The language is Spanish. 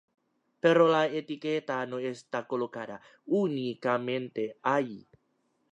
Pero la etiqueta no está colocada únicamente allí.